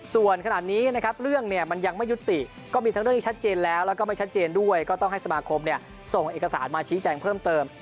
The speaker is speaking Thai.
ส่วนขนาดนี้นะครับเรื่องเนี่ยมันยังไม่ยุติก็มีทั้งเรื่องที่ชัดเจนแล้วแล้วก็ไม่ชัดเจนด้วยก็ต้องให้สมาคมส่งเอกสารมาชี้แจงเพิ่มเติม